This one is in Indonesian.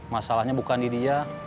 masalahnya bukan di dia